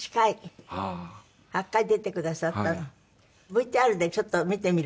ＶＴＲでちょっと見てみるんですって。